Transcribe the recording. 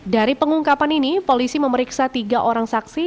dari pengungkapan ini polisi memeriksa tiga orang saksi